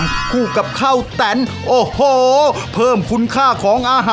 อร่อยเชียบแน่นอนครับอร่อยเชียบแน่นอนครับ